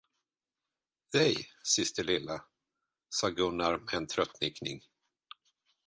Dig, syster lilla, sade Gunnar med en trött nickning.